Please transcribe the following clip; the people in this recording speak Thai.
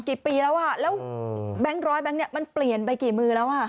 กี่ปีแล้วอะแล้วแบงค์ร้อยเปลี่ยนไปกี่มือแล้ว